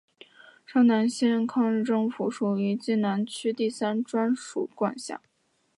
沙南县抗日政府属于冀南区第三专署管辖。